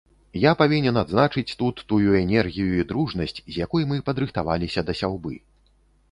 Я павінен адзначыць тут тую энергію і дружнасць, з якой мы падрыхтаваліся да сяўбы.